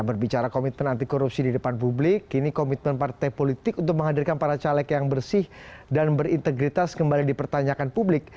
berbicara komitmen anti korupsi di depan publik kini komitmen partai politik untuk menghadirkan para caleg yang bersih dan berintegritas kembali dipertanyakan publik